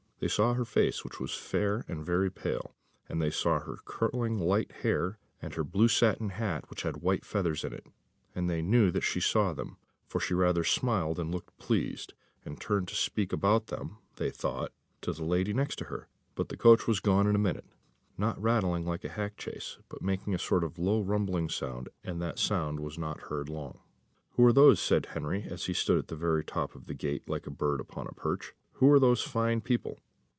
They saw her face, which was fair and very pale, and they saw her curling light hair, and her blue satin hat, which had white feathers in it; and they knew that she saw them, for she rather smiled and looked pleased, and turned to speak about them, they thought, to the lady next to her. But the coach was gone in a minute, not rattling like a hack chaise, but making a sort of low rumbling sound, and that sound was not heard long. "Who are those?" said Henry, as he stood at the very top of the gate, like a bird upon a perch, "who are those fine people?"